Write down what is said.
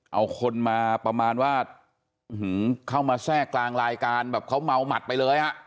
เอาคนมาประมาณว่าเข้ามาแทรกกลางรายการแบบเขาเมาหมัดไปเลยฮะ